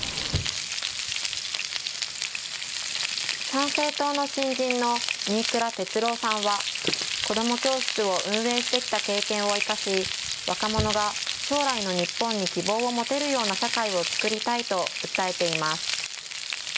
参政党の新人の新倉哲郎さんは子ども教室を運営してきた経験を生かし、若者が将来の日本に希望を持てるような社会をつくりたいと訴えています。